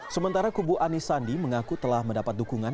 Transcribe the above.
sementara kubu anis sandi mengaku telah mendapat dukungan